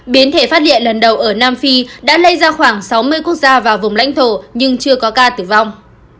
biến thể phát điện lần đầu ở nam phi đã lây ra khoảng sáu mươi quốc gia và vùng lãnh thổ nhưng chưa có ca tử vong